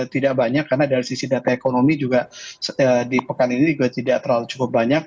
tidak banyak karena dari sisi data ekonomi juga di pekan ini juga tidak terlalu cukup banyak